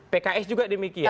pks juga demikian